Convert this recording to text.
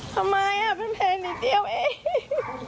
ทำไมอ่ะเป็นแผลนิดเดียวเอง